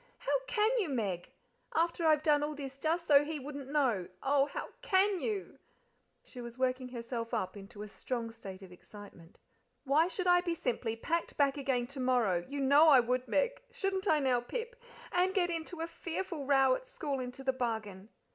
How can you, Meg! After I've done all this just so he wouldn't know! Oh, how CAN you?" She was working herself up into a strong state of excitement. "Why, I should be simply packed back again tomorrow you know I would, Meg. Shouldn't I now, Pip? And get into a fearful row at school into the bargain.